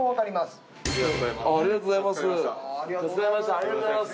ありがとうございます。